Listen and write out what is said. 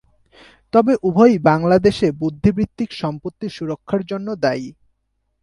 তবে উভয়ই বাংলাদেশে বুদ্ধিবৃত্তিক সম্পত্তি সুরক্ষার জন্য দায়ী।